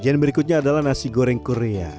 kajian berikutnya adalah nasi goreng korea